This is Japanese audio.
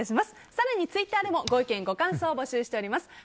更にツイッターでもご意見、ご感想を募集しています。